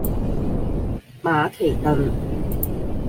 馬其頓